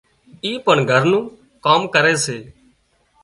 اِي پڻ گھر نُون ڪام ڪري سي